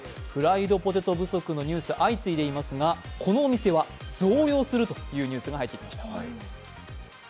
フライドポテト不足のニュース、相次いでいますがこのお店は増量するというニュースが入ってきました。